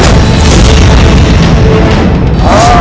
aku akan mencari penyelesaianmu